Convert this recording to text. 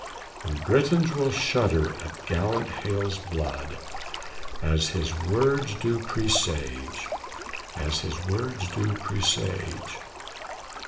And Britons will shudder at gallant Hale's blood, As his words do presage; as his words do presage.